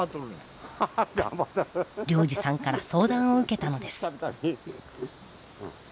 良治さんから相談を受けたのです。